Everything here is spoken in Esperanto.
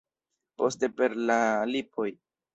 Poste per la lipoj.